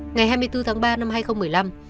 ngày hai mươi bốn tháng ba năm hai nghìn một mươi năm